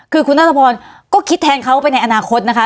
คือคุณนัทพรก็คิดแทนเขาไปในอนาคตนะคะ